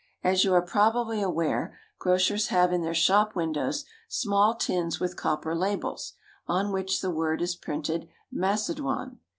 As you are probably aware, grocers have in their shop windows small tins with copper labels, on which the word is printed "Macedoine."